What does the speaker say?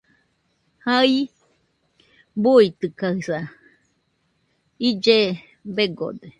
Jai buitɨkaɨsa , ille begode.